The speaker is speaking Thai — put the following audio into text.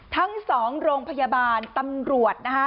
ทั้ง๒โรงพยาบาลตำรวจนะคะ